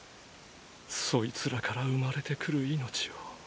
そいつらから生まれてくる命を。